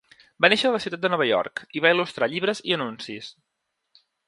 Va néixer a la ciutat de Nova York i va il·lustrar llibres i anuncis.